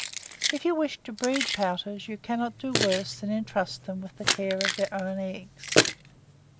If you wish to breed pouters, you cannot do worse than intrust them with the care of their own eggs.